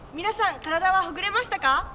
皆さん、体はほぐれましたか？